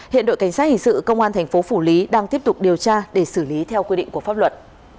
hiện đội cảnh sát hình sự công an thành phố phủ lý đang tiếp tục điều tra để xử lý theo quy định của pháp luật